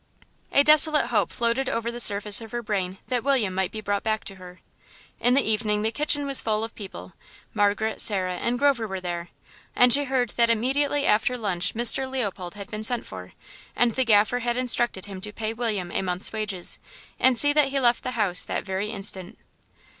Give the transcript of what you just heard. A desolate hope floated over the surface of her brain that William might be brought back to her. In the evening the kitchen was full of people: Margaret, Sarah, and Grover were there, and she heard that immediately after lunch Mr. Leopold had been sent for, and the Gaffer had instructed him to pay William a month's wages, and see that he left the house that very instant.